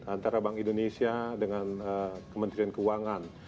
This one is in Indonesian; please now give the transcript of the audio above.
antara bank indonesia dengan kementerian keuangan